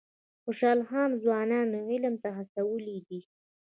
خوشحال خان ځوانان علم ته هڅولي دي.